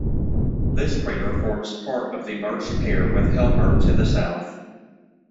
This crater forms part of a merged pair with Helmert to the south.